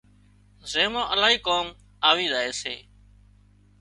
زين مان الاهي ڪام آوِي زائي سي